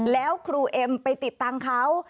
แล้วครูเอ็มไปติดตังค์เขา